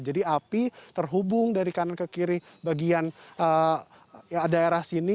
jadi api terhubung dari kanan ke kiri bagian daerah sini